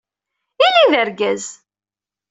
Ili d argaz!